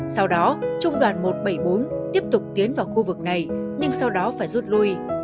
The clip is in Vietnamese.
sau đó trung đoàn một trăm bảy mươi bốn tiếp tục tiến vào khu vực này nhưng sau đó phải rút lui